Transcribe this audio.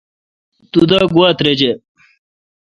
تو دا گواؙ ترجہ۔